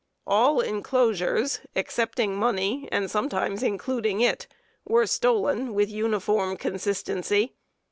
All inclosures, excepting money, and sometimes including it, were stolen with uniform consistency.